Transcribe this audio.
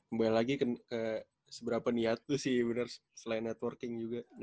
kembali lagi ke seberapa niat tuh sih bener selain networking juga